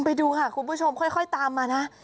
ไปดูค่ะคุณผู้ชมค่อยตามมานะ